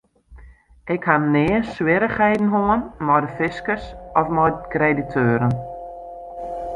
Ik ha nea swierrichheden hân mei de fiskus of mei krediteuren.